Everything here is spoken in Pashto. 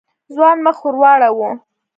ځوان مخ ور واړاوه.